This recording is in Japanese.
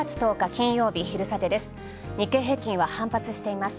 金曜日、「昼サテ」です。